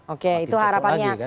oke itu harapannya